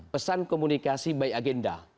pesan komunikasi by agenda